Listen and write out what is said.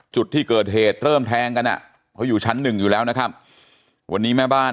จุดที่เกิดเหตุเริ่มแทงกันอ่ะเขาอยู่ชั้นหนึ่งอยู่แล้วนะครับวันนี้แม่บ้าน